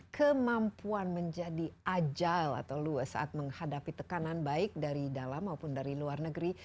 kemampuan menjadi ajal atau luas saat menghadapi tekanan baik dari dalam maupun dari luar negeri